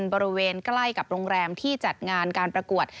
บริเวณใกล้กับโรงแรมที่จัดงานการประกวด